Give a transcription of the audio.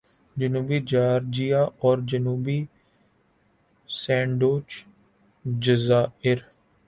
جنوبی جارجیا اور جنوبی سینڈوچ جزائر